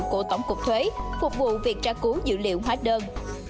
của tổng cục thuế phục vụ việc tra cứu dữ liệu hóa đơn